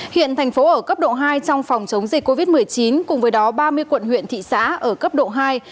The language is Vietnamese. hiện thành phố ở cấp độ hai trong phòng chống dịch covid một mươi chín cùng với đó ba mươi quận huyện thị xã ở cấp độ hai